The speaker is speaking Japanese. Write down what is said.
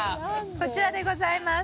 こちらでございます。